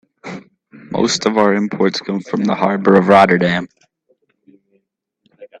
Most of our imports come from the harbor of Rotterdam.